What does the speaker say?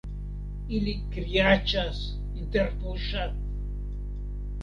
Ili kriaĉas, interpuŝas.